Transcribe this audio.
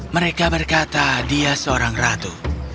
mereka berkata dia seorang ratu